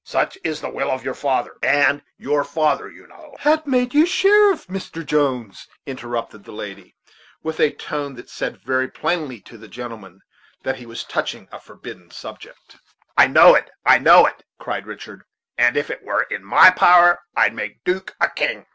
Such is the will of your father, and your father, you know " "Had you made sheriff, Mr. Jones," interrupted the lady, with a tone that said very plainly to the gentleman that he was touching a forbidden subject. "I know it, I know it," cried Richard; "and if it were in my power, I'd make 'Duke a king.